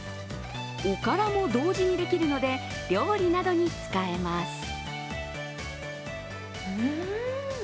おからも同時にできるので、料理などに使えます。